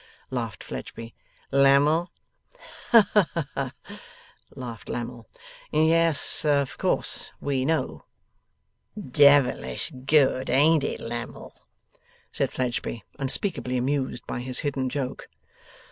laughed Fledgeby. 'Lammle?' 'Ha ha!' laughed Lammle. 'Yes. Of course. We know.' 'Devilish good, ain't it, Lammle?' said Fledgeby, unspeakably amused by his hidden joke.